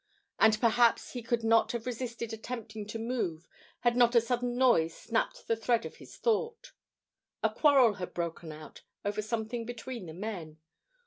And perhaps he could not have resisted attempting to move had not a sudden noise snapped the thread of his thought. A quarrel had broken out over something between the men.